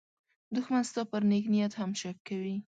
دښمن ستا پر نېک نیت هم شک کوي